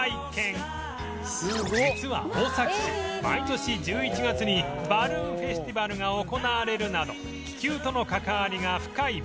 実は大崎市毎年１１月にバルーンフェスティバルが行われるなど気球との関わりが深い場所